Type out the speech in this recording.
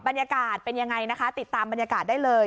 บรรยากาศเป็นยังไงนะคะติดตามบรรยากาศได้เลย